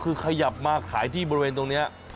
คือขยับมาขายที่บริเวณตรงนี้